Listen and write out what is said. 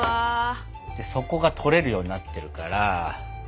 底が取れるようになってるから。